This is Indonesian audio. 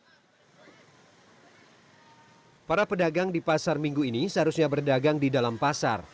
pada hari ini para pedagang di pasar minggu ini seharusnya berdagang di dalam pasar